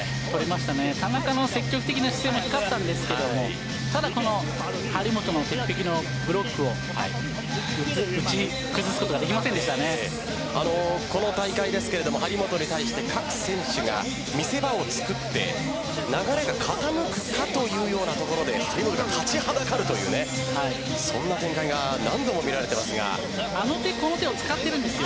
田中の積極的な姿勢も光ったんですけどただ張本の鉄壁のブロックを打ち崩すことがこの大会ですけど張本に対して各選手が見せ場をつくって、流れが傾くかというようなところで立ちはだかるというそんな展開があの手この手を使っているんです。